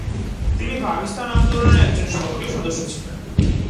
তিনি পাকিস্তান আন্দোলনের একজন সক্রিয় সদস্য ছিলেন।